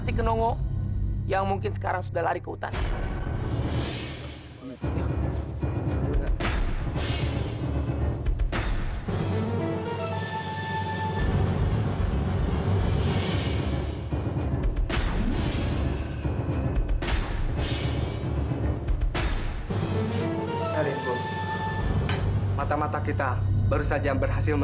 irang mengalahkan badewo dan kuro